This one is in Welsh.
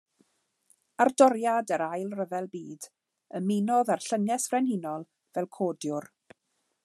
Ar doriad yr Ail Ryfel Byd ymunodd â'r Llynges Frenhinol fel codiwr.